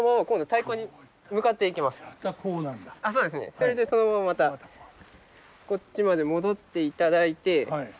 それでそのまままたこっちまで戻っていただいて。